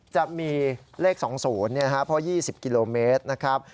จะมีเลข๒๐เพราะ๒๐กิโลเมตรนะครับ